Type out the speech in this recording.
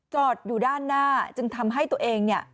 จอดอยู่ด้านหน้าจึงทำให้ตัวเองเนี่ย